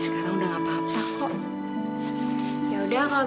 tolong lepasin aku